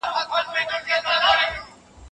د ژوند عزت یوازي لایقو ته نه سي ورکول کېدلای.